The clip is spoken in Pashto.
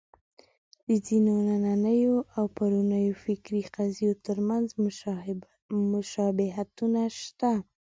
د ځینو نننیو او پرونیو فکري قضیو تر منځ مشابهتونه شته.